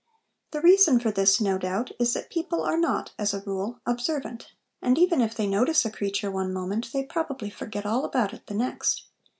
The reason for this, no doubt, is that people are not as a rule observant, and even if they notice a creature one moment they probably forget all about it the next.